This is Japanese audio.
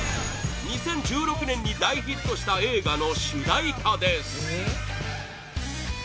２０１６年に大ヒットした映画の主題歌です